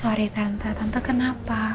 maaf tante tante kenapa